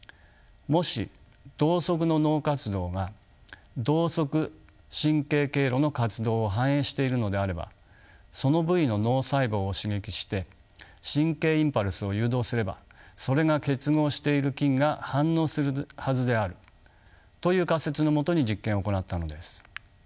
もし同側の脳活動が同側神経経路の活動を反映しているのであればその部位の脳細胞を刺激して神経インパルスを誘導すればそれが結合している筋が反応するはずであるという仮説のもとに実験を行ったのです。